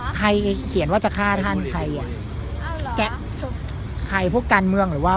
เอ่อจริงเหรอใครเขียนว่าจะฆ่าท่านใครเอ่อเหรอใครพวกการเมืองหรือว่า